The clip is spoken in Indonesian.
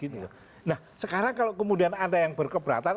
nah sekarang kalau kemudian anda yang berkebratan